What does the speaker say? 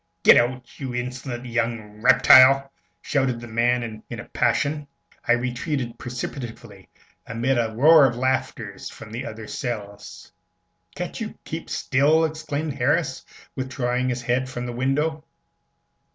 "Git out, you insolent young reptyle!" shouted the man, in a passion. I retreated precipitately, amid a roar of laughter from the other cells. "Can't you keep still?" exclaimed Harris, withdrawing his head from the window.